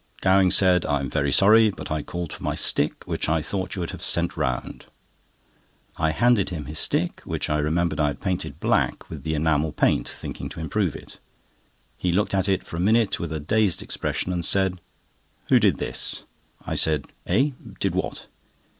Gowing said: "I'm very sorry, but I called for my stick, which I thought you would have sent round." I handed him his stick, which I remembered I had painted black with the enamel paint, thinking to improve it. He looked at it for a minute with a dazed expression and said: "Who did this?" I said: "Eh, did what?"